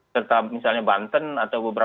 serta misalnya banten atau jawa barat